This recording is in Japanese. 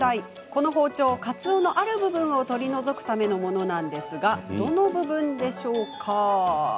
この包丁、かつおのある部分を取り除くためのものなのですがどの部分でしょう？